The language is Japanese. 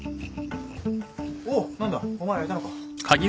おっ何だお前らいたのか。